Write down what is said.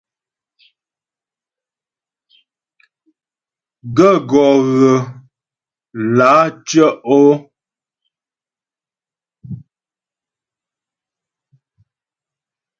Gaə̂ gɔ́ ghə lǎ tyə́'ɔ ?